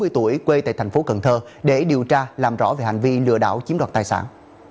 ba mươi tuổi quê tại thành phố cần thơ để điều tra làm rõ về hành vi lừa đảo chiếm đoạt tài sản